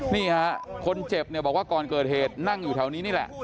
นี่ฮะคนเจ็บเนี่ยบอกว่าก่อนเกิดเหตุนั่งอยู่แถวนี้นี่แหละ